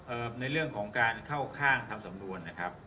ในเรื่องของการเข้าข้างทำสำนวนนะครับ